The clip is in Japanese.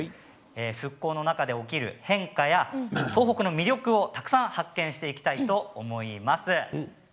復興の中で起きる変化や東北の魅力をたくさん発見していきたいと思います。